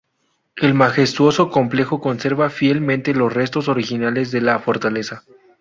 El majestuoso complejo conserva fielmente los restos originales de la fortaleza.